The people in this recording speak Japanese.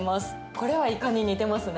これはイカに似てますね。